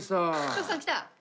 徳さんきた？